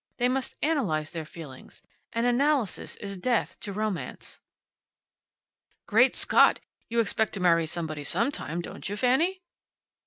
They must analyze their feelings. And analysis is death to romance." "Great Scott! You expect to marry somebody sometime, don't you, Fanny?"